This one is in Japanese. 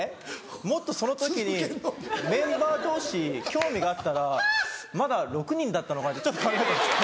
もっとその時にメンバー同士興味があったらまだ６人だったのかなってちょっと考えたんですよ。